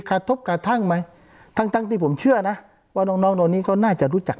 กระทบกระทั่งไหมทั้งที่ผมเชื่อนะว่าน้องตอนนี้ก็น่าจะรู้จัก